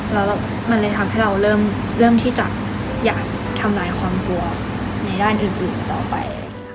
แล้วมันเลยทำให้เราเริ่มที่จะอยากทำลายความกลัวในด้านอื่นต่อไป